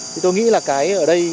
thì tôi nghĩ là cái ở đây